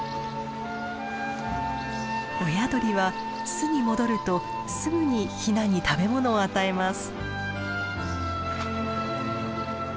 親鳥は巣に戻るとすぐにヒナに食べ物を与えます。